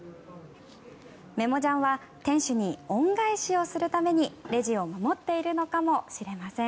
メモジャンは店主に恩返しをするためにレジを守っているのかもしれません。